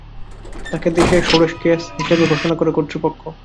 তাকে দেশের ষোড়শ কেস হিসেবে ঘোষণা করে কর্তৃপক্ষ।